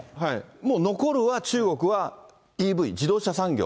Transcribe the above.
もう残るは中国はＥＶ、自動車産業。